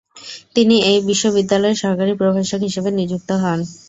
তিনি এই বিশ্ববিদ্যালয়ে সহকারী প্রভাষক হিসেবে নিযুক্ত হন।